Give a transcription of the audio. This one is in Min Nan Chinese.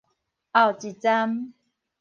後一站